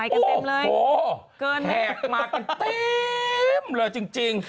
เต็มเลยจริง